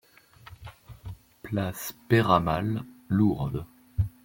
Place Peyramale, Lourdes